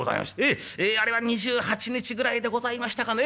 あれは２８日ぐらいでございましたかね